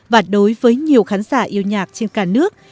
và đối với nhiều khán giả yêu nhạc trên cả nước